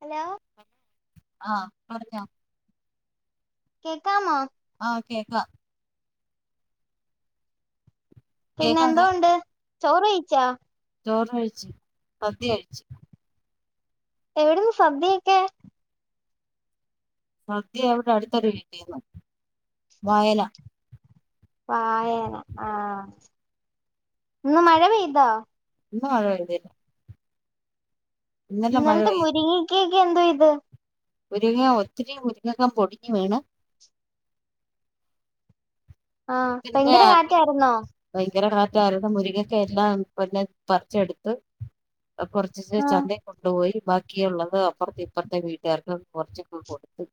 hello ആഹ് പറഞ്ഞോ കേൾക്കാമോ ആഹ് കേക്കാം പിന്നെ കേക്കാം എന്തോണ്ട് ചോറ് കഴിച്ചാ ചോറാഴ്ചു സദ്യകയ്ച്ചു എവിടെന്ന് സദ്യ കിട്ട്യേ സദ്യ വിടെ അടുത്തൊരു വീട്ടീന്ന് വായല വായല ആഹ് ഇന്ന് മഴ പെയ്തോ ഇല്ല ഇന്ന് മഴ പെയ്തൻ മഴ ഇന്നലെത്തെ പെയ്തു മുരിങ്ങിക്കൊക്കെ എന്തോ ചെയ്ത് മുരിങ്ങ ഒത്തിരി മുരിങ്ങക്ക പൊഴിഞ്ഞു വീണു ആഹ് പിന്നെ ഭയങ്കര കാറ്റായിരുന്നോ ഭയങ്കര കാറ്റ് ആർന്ന് മുരിങ്ങക്ക യെല്ലാം പിന്നെ പറിച്ചെടുത്ത് കുറച്ച് കുറച്ച് ആഹ് ചന്ത യിൽ കൊണ്ടുപോയി ബാക്കിയുള്ളത് അപ്പുറതെ ഇപ്പുറത്തെ വീട്ടുകാർക്ക് കുറച്ചൊക്കെ കൊടുത്തു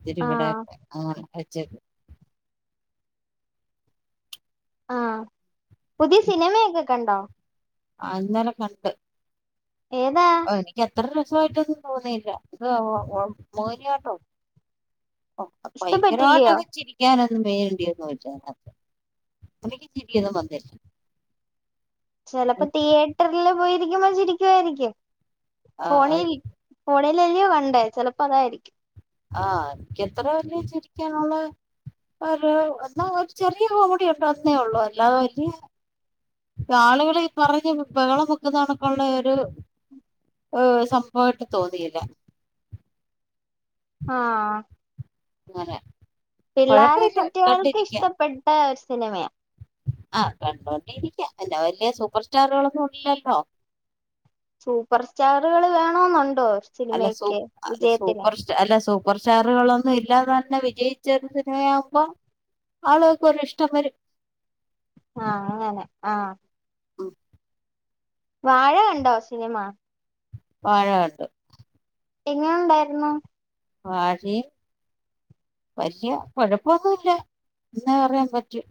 ഇവര് വടെ ആഹ് ആ അച്ച ആഹ് പുതിയ സിനിമയൊക്കെ കണ്ടോ ആഹ് ഇന്നലെ കണ്ട് ഏതാ ഓഹ് എനിക്ക് അത്ര രസമായിട്ടൊന്നും തോന്നിയില്ല എന്താവോ മോഹിനിയാട്ടോ ഓഹ് ഇഷ്ടപ്പെട്ടില്ലയോ ഭയങ്കരമായിട്ടൊക്കെ ചിരി ക്കാനൊന്നും വേണ്ടിയന്ന് വച്ചത് അത്രയും ചിരിയൊന്നും വന്നില്ല ചെലപ്പോ തിയേറ്ററില് പോയിരിക്കുമ്പോ ചിരിക്കുവായിരിക്കും ഫോണി ആഹ് ഫോണിലല്ലയോ കണ്ടേ ചെലപ്പോ അതായിരിക്കും ആഹ് എനിക്ക് അത്ര വല്ല്യ ചിരിക്കാനുള്ള ഒരു എന്നാ ഒരു ചെറിയ കോമഡി ഉണ്ടോ ഒന്നേ ഉള്ളു അല്ലാതെ വല്ല്യ ആളുകള് ഈ പറഞ്ഞ് ബഹളം വെക്കുന്നണൊക്കെ ഉള്ള ഒരു ഏഹ് സംഭവായിട്ട് തോന്നിയില്ല ആഹ് ഇങ്ങനെ പിള്ളേര സെറ്റികൾക്ക് ഇഷ്ടപ്പെട്ട ഒരു സിനിമ ആഹ് കണ്ടോണ്ടിരിക്ക അല്ല വലിയ സൂപ്പർ സ്റ്റാറുകളൊന്നും ഇല്ലല്ലോ സൂപ്പർ സ്റ്റാറുകള് വേണെന്നുണ്ടോ അല്ല സൂ സിനിമെക്ക് അല്ല വിജയത്തിന് സൂപ്പർ അല്ല സൂപ്പർ സ്റ്റാറുകളൊന്നും ഇല്ലാതെ തന്നെ വിജയിച്ച ഒരു സിനിമയാവുമ്പോ ആളുകൾക്കൊരു ഇഷ്ടം വരും ആഹ് അങ്ങനെ ആഹ് ഉം വാഴ കണ്ടോ സിനിമ വാഴ കണ്ടു എങ്ങനെ ഉണ്ടായിരുന്നു വാഴിം വല്യ കുഴപ്പൊന്നുല്ല എന്ന് പറയാൻ പറ്റൂം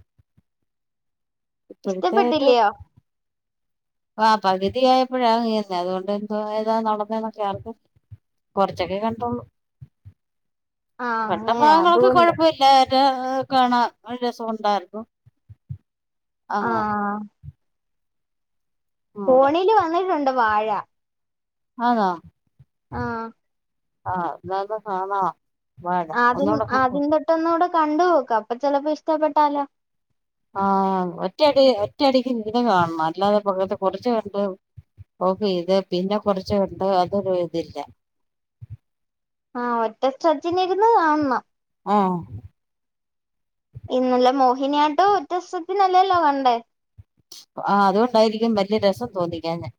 ഇഷ്ടപ്പെട്ടില്ലയോ ആഹ് പകുതിയായപ്പോഴാ ഞാൻ കേറുന്നേ അതുകൊണ്ട് എന്താ നടന്നന്നൊക്കെ ആർക്കും കൊറച്ചൊക്കെ കണ്ടുള്ളു ആഹ് കണ്ട അങ്ങനെ ഭാഗങ്ങളൊക്കെ അതുകൊണ്ട് കൊഴപ്പ തിയേറ്ററില് കാണാൻ നല്ല രസമുണ്ടായിരുന്നു ആഹ് അങ്ങനെ ഫോണില് വന്നിട്ടുണ്ട് വാഴ ആണോ ആഹ് ആഹ് എന്നാ ഇപ്പൊ കാണാ വാഴ ഒന്നുകുടെ കണ്ട് നോക്ക ഒന്നൂടെ കണ്ടു നോക്ക് അപ്പൊ ചിലപ്പോ ഇഷ്ടപ്പെട്ടാലോ ആഹ് ഒറ്റയടി ഒറ്റ അടിക്ക് മുഴുവൻ കാണണം അല്ലാതെ പകുതി കുറച്ച് കണ്ട് ഓഫ് ചെയ്തു ഇത് പിന്നെ കൊറച്ച് കണ്ട് അതൊരു ഇതില്ല ആഹ് ഒറ്റ സ്ട്രജ്ന് ഇരുന്ന് കാണണം ആഹ് ഇന്നലെ മോഹിനിയാട്ടം ഒറ്റ സിപ്പിന് അല്ലല്ലോ കണ്ടേ ആഹ് അതുകൊണ്ടായിരിക്കും വലിയ രസം തോന്നിക്കാഞ്ഞേ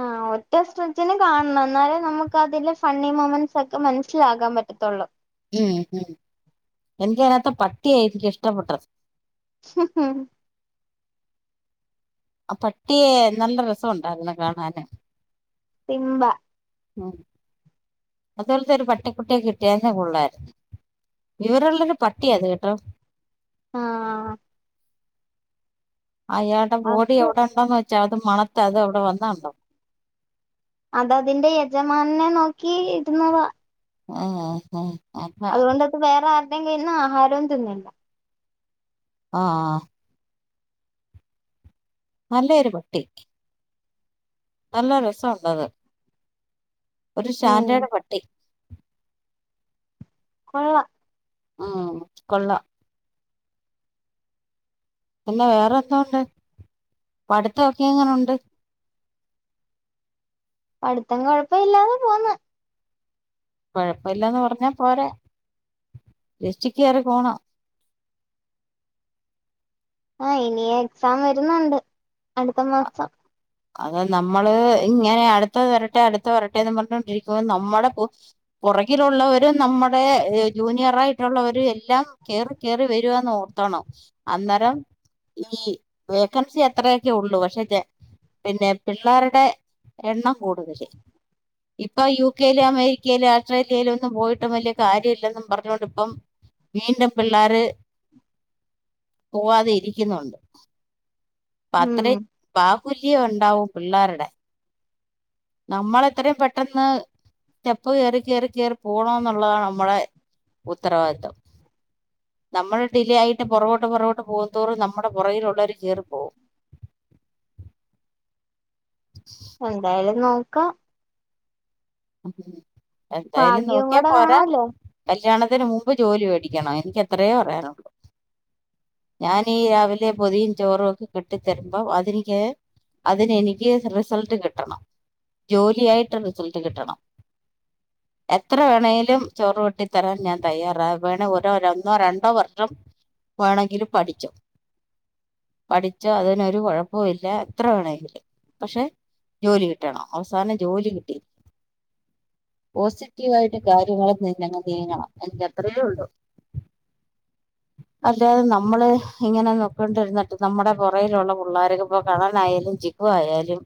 ആഹ് ഒറ്റ സ്ട്രെച്ച്ന് കാണണം എന്നാലേ നമുക്ക് അതിൻ്റെ ഫണി മൂമെന്റ്സൊക്കെ മനസ്സിലാക്കാൻ പറ്റത്തുള്ളൂ ഉം ഉം എനിക്ക് അയിനകത്തെ പട്ടിയെ എനിക്ക് ഇഷ്ടപ്പെട്ടത് ആഹ് പട്ടിയെ നല്ല രസമുണ്ടായിരുന്നു കാണാന് സിംബാ ഉം അതുപോലത്തെ ഒരു പട്ടിക്കുട്ടിയെ കിട്ടിയിരുന്നേ കൊള്ളായിരുന്നു വിവരള്ളൊരു പട്ടിയ അത് കേട്ടോ ആഹ് അയാളുടെ ബോഡി അത് എവിടെ ഉണ്ടോന്ന് വെച്ചാ അത് മണത്താ അത് അവിടെ വന്നാ കണ്ടോ അത് അതിന്റെ യജമാനനെ നോക്കി ഇരുന്നതാ ആഹ് ആഹ് അല്ല അതുകൊണ്ട് അത് വേറെ ആരുടെയും കയ്യിന്ന് ആഹാരവും തിന്നില്ല ആഹ ആഹ് നല്ല ഒരു പട്ടി നല്ല രസവുണ്ടത് ഒരു ഉം സ്റ്റാൻഡേർഡ് പട്ടി കൊള്ളാം ആഹ് കൊള്ളാം പിന്നെ വേറെ എന്തോയുണ്ട് പഠിത്തൊക്കെ എങ്ങനുണ്ട് പഠിത്തം കൊഴപ്പം ഇല്ലാതെ പോന്ന് കൊഴപ്പമില്ലന്ന് പറഞ്ഞാ പോരെ രക്ഷിക്കയറി പോണം ആഹ് ഇനി എക്സാം വരുന്നുണ്ട് അടുത്ത മാസം അത് നമ്മള് ഇങ്ങനെ അടുത്തത് വരട്ടെ അടുത്തത് വരട്ടെയെന്നും പറഞ്ഞൊണ്ടിരിക്കുമ്പോ നമ്മള് - പൊറകിലുള്ളവര് നമ്മുടെ ജൂനിയർ ആയിട്ടുള്ളവര് എല്ലാം- കേറി കേറി വരുവാന്ന് ഓർത്തോണം അന്നേരം- ഈ വേക്കൻസി അത്രയൊക്കെയുള്ളൂ [unintelligible] പിന്നെ പിള്ളേരുടെ എണ്ണം കൂടുതല് ഇപ്പൊ യു കെയിലും അമേരിക്കയിലും ഓസ്ട്രേലിയലും ഒന്നും പോയിട്ട് വലിയ കാര്യം ഇല്ലെന്നും പറഞ്ഞോണ്ട് ഇപ്പം - വീണ്ടും പിള്ളാര്- പോവാതെ ഇരിക്കുന്നുണ്ട് അപ്പൊ ഉം അത്രയും പാ [unintelligible] പ്പുല്യം ഉണ്ടാവും പിള്ളേരുടെ നമ്മളെത്രയും പെട്ടെന്ന്- സ്റ്റെപ് കേയറി കേയറി കേയറി പോകണം എന്നുള്ളതാണ് നമ്മുടെ ഉത്തരവാദിത്തം നമ്മള് ഡിലയായിട്ട് പൊറകോട്ട് പൊറകൊട്ട് പോകത്തോറും നമ്മുടെ പൊറകിയിലൊള്ളോരു കേറി പോവും എന്തായാലും നോക്കാം എന്തായാലും ഭാഗ്യവും നോക്കിയാ കൂടെ പോരാ വേണല്ലോ കല്യാണത്തിന് മുമ്പ് ജോലി മേടിക്കണം എനിക്ക് എത്രയേ പറയാനുള്ളൂ ഞാൻ ഈ രാവിലെ പൊതിയും ചോറും ഒക്കെ കെട്ടിത്തരുമ്പോ അതിനിക്ക്- അതിന് എനിക്ക് റിസൾട്ട് കിട്ടണം ജോലിയായിട്ട് റിസൾട്ട് കിട്ടണം [inaudible] എത്ര വേണമേങ്കിലും ചോറ് കെട്ടിത്തരാൻ ഞാൻ തയ്യാറാ വേണെ ഓരോ ഒന്നോ രണ്ടോ വർഷം- വേണെങ്കിലും പഠിക്കാം പഠിച്ചോ അതിനൊരു കൊഴപ്പോം ഇല്ല എത്ര വേണെങ്കിലും പക്ഷെ ജോലി കിട്ടണം അവസാനം ജോലി കിട്ടി- പോസിറ്റീവ് ആയിട്ട് കാര്യങ്ങള് നി നീങ്ങണം എനിക്ക് അത്രയേയുള്ളൂ [inaudible] അല്ലാതെ നമ്മള് ഇങ്ങനെ നോക്കേണ്ടിരുന്നിട്ട് നമ്മുടെ പൊറേയിലുള്ള പിള്ളേർക്ക് ഇപ്പ കള്ളനായാലും- പ ആയാലും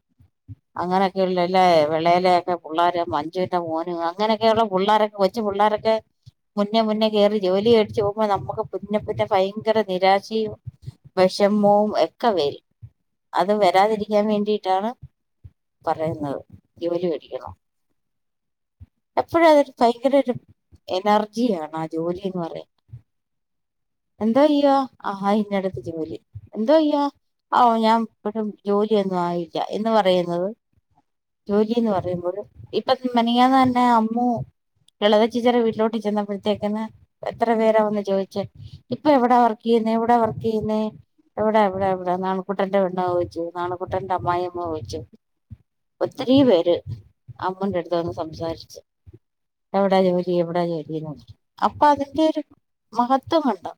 അങ്ങനെയൊക്കെയ ഉള്ളയില്ലേ വിളയിലൊക്കെ- പുള്ളാരാ മഞ്ചുന്റെ മോനും അങ്ങനെയൊക്കെയുള്ള പുള്ളോരൊക്കെ വെച്ച് പുള്ളോരൊക്കെ- മുന്നേ മുന്നേ കയറി ജോലി മേടിച് പോകുമ്പോ നമുക്ക് പിന്നെ പിന്നെ ഭയങ്കര നിരാശയും- വെഷമവും ഒക്കെ വരും അത് വരാതിരിക്കാൻ വേണ്ടിട്ടാണ്- പറയുന്നത് ജോലി മേടിക്കണം എപ്പഴും അതൊരു ഭയങ്കര ഒരു എനർജി ആണ് ആ ജോലിന്ന് പറയുന്നത് എന്തൊ ചെയ്യുവാ ആഹാ ഇന്നടുത്ത് ജോലി എന്തൊ ചെയ്യുവാ ഞാൻ ജോലിയൊന്നും ആയില്ല എന്ന് പറയുന്നത്- ജോലിന്ന് പറയുമ്പോള് ഇപ്പോ മെനഞ്ഞാന്ന് തന്നെ അമ്മു- ലളിത ചേച്ചിയുടെ വീട്ടിലോട്ട് ചെന്നപ്പോഴത്തേക്കന്ന് എത്ര പേരാ വന്ന് ചോദിച്ചെ ഇപ്പൊ എവിടാ വർക്ക് ചെയ്യുന്നേ എവിടെ വർക്ക് ചെയ്യുന്നേ എവിടെ എവിടെ എവിടെ നാണുകുട്ടന്റെ പെണ്ണ് ചോദിച്ചു നാണുകുട്ടന്റെ അമായിയമ്മ ചോദിച്ചു ഒത്തിരിം പേര് അമ്മുവിന്റെ അടുത്ത് വന്ന് സംസാരിച്ചു എവ്ടാജോലി എവിടാജോലി ന്നാ അപ്പൊ അതിന്റെ ഒരു മഹത്വം കണ്ടോ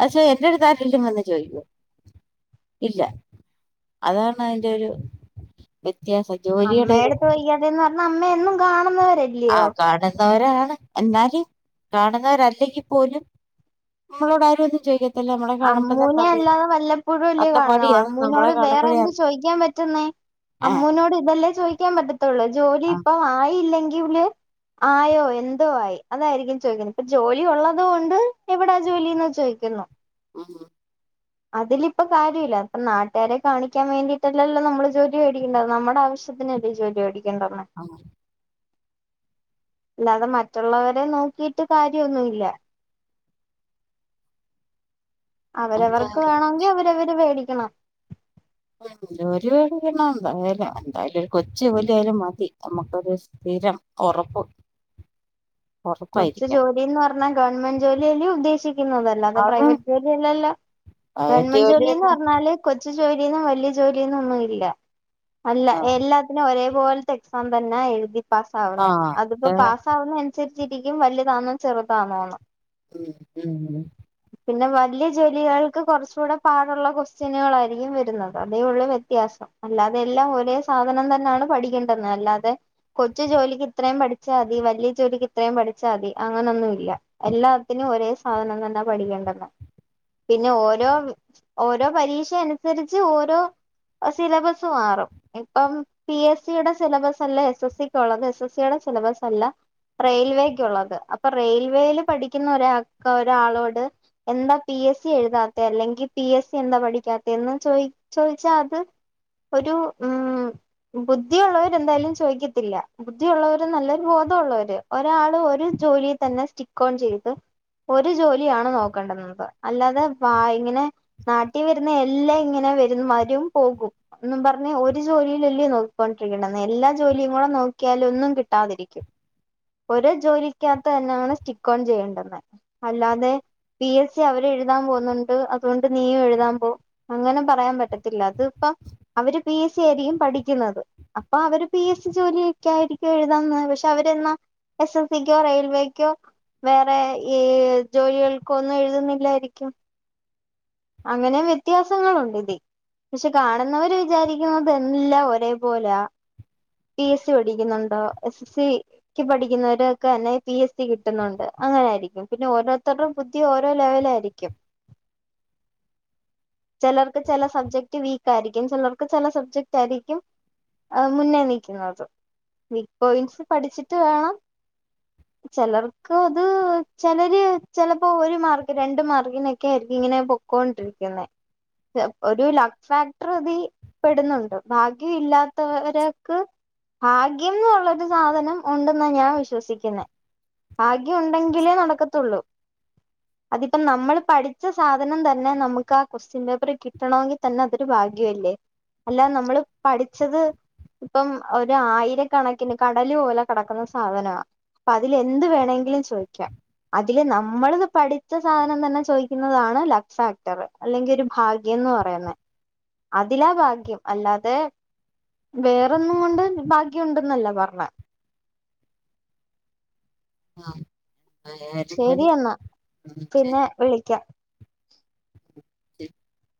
പശ്ശെ എന്റട്ത്ത് ആരേലും വ്ന്ന് ചോയ്ക്കോ ഇല്ല അതാ ണയിന്റെ ഒരു വ്യത്യാസം ജോലിയുടെ ഒരു ര്ന്ന്ർഞ്ഞ അമ്മ എന്നും കാണുന്നവരെല്ലേ അതാണ് ന്നവരാണ് എന്നാല് കാണുന്നവരല്ലെങ്കിപ്പോലും നമ്മളോട് ആരും ഒന്നും ചോദിക്ക അമ്മൂനെ അല്ലാതെ വല്ലപ്പോഴും അല്ലെ കാണുന്നേ അത്തപ്പാടിയാണ് നമ്മളെ അമ്മൂനോട് കാണുമ്പോഴേ വേറെന്ത് അറിയാം ചോയിക്കാൻ പറ്റുന്നേ ആ അമ്മൂനോട് ഇതല്ലേ ചോയിക്കാൻ പറ്റത്തൊള്ളൂ ജോലി ആ ഇപ്പൊ ആയില്ലെങ്കില് ആയോ എന്തോ ആയി അതായിരിക്കും ചോദിക്കുന്നത് ഇപ്പൊ ജോലി ഉള്ളത് കൊണ്ട് എവിടാ ജോലിന്ന് ചോയ്ക്കുന്നു ഉം ഉം അതിലിപ്പ കാര്യവില്ല ഇപ്പ നാട്ടുകാരെ കാണിക്കാൻ വേണ്ടിട്ടല്ലല്ലോ നമ്മള് ജോലി വേടിക്ക്‌ണത് നമ്മുടെ ആവശ്യ ശ്യത്തിനല്ലെ ജോലി വേടിക്കേണ്ട്ന്ന് അയ്ന്നെ അല്ലാതെ മറ്റുള്ളവരെ നോക്കിയിട്ട് കാര്യവൊന്നുവില്ല അവരവർക്ക് എന്തായാലും വേണോങ്കി അവരവര് വേടിക്കണം ഉ ഒരുപാട് കണം ണ്ടാവേല എന്തായാലും ഒരു കൊച്ചു ജോലി ആയാലും മതി നമ്മുക്കൊരുസ് സ്ഥിരം ഒറപ്പ് [inaudible] കൊച്ചു ജോലിന്നർഞ്ഞാ ഗവൺമെന്റ് ജോലില്ലെ ഉദ്ദേശിക്കുന്നത് അതല്ലാതെ കാരണം പ്രൈവറ്റ് ജോലിയല്ലല്ലോ പ്രൈവറ്റ് ഗവൺമെന്റ് ജോലിന്ന് ജോലിയൊന്നും പറഞ്ഞാല് കൊച്ചു ജോലിന്നും വല്യ ജോലിന്നൊന്നും ഇല്ല അല്ല ആ എല്ലാ തിന് ഒരേ പോൽത്തെ എക്സാം തന്നെ എഴുതി പാസ് ആവുന്നെ അതിപ്പോ ആഹ് പാസ് ആവുന്ന അനുസരി ച്ചിരിക്കും വലുതാണോ ചെറുതാണോന്ന് ഉം [unintelligible] [inaudible] പിന്നെ വല്യെ ജോലികൾക്ക് കൊറച്ചൂടെ പാട്ള്ള ക്വൊസ്റ്റ്യനുകളായിരിക്കും വരുന്നത് അതേ ഒള്ളു വ്യത്യാസം അല്ലാതെ എല്ലാം ഒരേ സാധനം തന്നാണ് പഠിക്കേണ്ടന്ന് അല്ലാതെ കൊച്ചു ജോലിക്ക് ഇത്രേം പഠിച്ചാതി വല്യെജോലിക്ക് ഇത്രേം പഠിച്ചാതി അങ്ങനൊന്നു ഇല്ല എല്ലാത്തിനും ഒരേ സാധനം തന്നാ പഠിക്കേണ്ടന്ന് പിന്നെ ഓരോ വ് ഓരോ പരീക്ഷ അനുസരിച്ച് ഓരോ അഹ് സിലബസ് മാറും ഇപ്പം പി എസ് സിടെ സിലബസ് അല്ലെ എസ് എസ് സി ക്കൊള്ളത് എസ് എസ് സിയുടെ സിലബസ് അല്ല റെയിൽവേയ്ക്കുള്ളത് അപ്പൊ റെയിൽവേല് പഠിക്കുന്ന ഒരാൾക്ക്‌ ഒരാളോട് എന്താ പി എസ് സി എഴുതാത്തെ അല്ലെങ്കിൽ പി എസ് സി എന്താ പഠിക്കാത്തേന്ന് ചോയി ചോയിച്ചാ അത് ഒരു ഉം ബുദ്ധിയുള്ളവര് എന്തായാലും ചോയിക്കത്തില്ല ബുദ്ധിയുള്ളവര് നല്ലൊരു ബോധവുള്ളവര് ഒരാള് ഒരു ജോലിതന്നെ സ്റ്റിക്ക് ഓൺ ചെയ്ത് ഒരു ജോലിയാണ് നോക്കണ്ടന്നത് അല്ലാതെ വ ഇങ്ങനെ നാട്ടിൽ വരുന്ന എല്ലാം ഇങ്ങനെ വരുന്ന് വരും പോകും ന്നും പറഞ്ഞ് ഒരു ജോലിയിലല്ലേ നോക്കിക്കൊണ്ടിരിക്കണ്ടന്ന് എല്ലാ ജോലിയും കൂടെ നോക്കിയാലൊന്നും കിട്ടാതിരിക്കും ഒരു ജോലിക്കകത്ത് തന്നെയാണ് സ്റ്റിക്ക് ഓൺ ചെയ്യേണ്ടന്ന് അല്ലാതെ പി എസ് സി അവരെ എഴുതാൻ പോകുന്നുണ്ട് അതുകൊണ്ട് നീയും എഴുതാൻ പോ അങ്ങനെ പറയാൻ പറ്റത്തില്ല അത് പ്പ അവര് പി എസ് സി ആയിരിക്കും പഠിക്കുന്നത് അപ്പൊ അവര് പി എസ് സി ജോലിയൊക്കെ ആയിരിക്കും എഴുതാന്ന് പക്ഷെ അവര് എന്നാ എസ് എസ് സിക്കോ റെയിൽവേക്കോ വേറെ ഈ ജോലികൾക്കൊന്നും എഴുതുന്നില്ലായിരിക്കും അങ്ങനെ വ്യത്യാസങ്ങളുണ്ട് ഇതി പക്ഷെ കാണുന്നവര് വിചാരിക്കുന്നതെല്ലം ഒരേ പോലെയ പി എസ് സി പഠിക്കുന്നുണ്ടോ എസ് എസ് സിക്ക് പഠി ക്കുന്നൊരാക്കെന്നെ പി എസ് സി കിട്ടുന്നുണ്ട് അങ്ങനെയായിരിക്കും പിന്നെ ഓരോരുത്തര്ടെ ബുദ്ധി ഓരോ ലെവലായിരിക്കും ചെലർക്ക് ചെല സബ്ജക്റ്റ് വീക്കാരി ക്കും ചെലർക്ക് ചെല സബ്ജക്റ്റാരിക്കും മുന്നേ നിക്കുന്നത് ബിഗ് പോയിൻസ് പഠിച്ചിട്ട് വേണം ചെലർക്ക് അത് ചെലര് ചെലപ്പോ ഒരു മാർക്ക് രണ്ട് മാർക്കിനൊക്കെ ആരിക്കും ഇങ്ങനെപ്പോ ക്കൊണ്ടിരിക്കുന്നേ ഒരു ലക്ക് ഫാക്ടറ് ഇതീ പെടുന്നോണ്ട് ഭാഗ്യം ഇല്ലാ ത്തവര്ക്ക് ഭാഗ്യം എന്നൊള്ളൊരു സാധനം ഒണ്ടെന്നാ ഞാ വിശ്വസിക്കുന്നേ ഭാഗ്യം ഒണ്ടങ്കിലേ നടക്കത്തോള്ളൂ അതിപ്പം നമ്മള് പഠിച്ച സാധനം തന്നെ നമുക്ക് ആ ക്വസ്റ്റ്യൻ പേപ്പറി കിട്ടണോങ്കിത്തന്നെ അതൊരു ഭാഗ്യം അല്ലേ അല്ലാതെ നമ്മള് പഠിച്ചത് ഇപ്പം ഒരു ആയിരക്കണക്കിന് കടല് പോലെ കെടക്കുന്ന സാധനവാ പ്പതില് എന്ത് വേണേങ്കിലും ചോയിക്കാം അതില് നമ്മളിത് പഠിച്ച സാധനം തന്നെ ചോദിക്കുന്നതാണ് ലക്ക് ഫാക്ടറ് അല്ലെങ്കി ഒരു ഭാഗ്യംന്ന് പറയുന്നേ അതിലാ ഭാഗ്യം അല്ലാതെ വേറൊന്നും കൊണ്ട് ഭാഗ്യം ഉണ്ടെന്നല്ല പറഞ്ഞേ ആഹ് ആയാലും ശെരി മതി എന്നാ ഉം ശരി പിന്നെ വിളിക്കാം [inaudible]